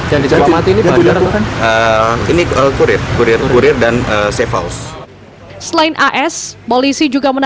yang dicapal mati ini berapa